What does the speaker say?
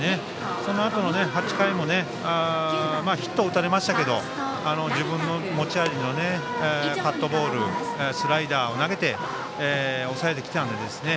そのあとの８回もヒットは打たれましたけど自分の持ち味のカットボールスライダーを投げて抑えてきたので。